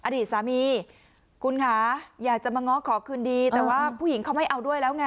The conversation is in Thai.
อดีตสามีคุณค่ะอยากจะมาง้อขอคืนดีแต่ว่าผู้หญิงเขาไม่เอาด้วยแล้วไง